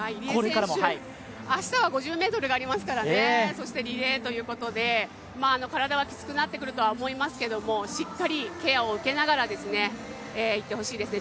入江選手、明日は５０ｍがありますから、そしてリレーということで、体はきつくなってくると思いますけれどもしっかりケアを受けながらいってほしいですね。